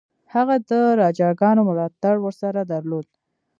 هغه د راجاګانو ملاتړ ورسره درلود.